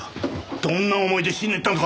どんな思いで死んでいったのか